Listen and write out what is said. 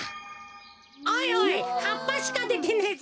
おいおいはっぱしかでてねえぞ。